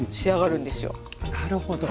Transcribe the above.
なるほど。